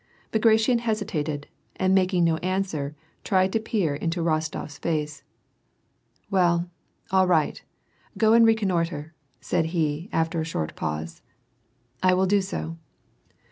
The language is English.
Bagration hesitated, and making no answer, tried to peer in to Rostof's face. "Well, all right, go and reconnoitre," said he, after a short pause. "I will do so."